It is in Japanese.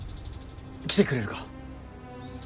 来てくれるか。